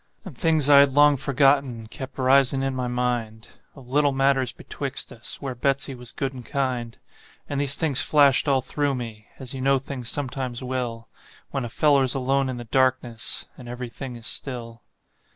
And things I had long forgotten kept risin' in my mind, Of little matters betwixt us, where Betsey was good and kind; And these things flashed all through me, as you know things sometimes will When a feller's alone in the darkness, and every thing is still.